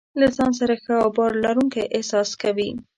له ځان سره ښه او باور لرونکی احساس کوي.